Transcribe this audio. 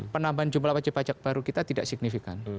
penambahan jumlah wajib pajak baru kita tidak signifikan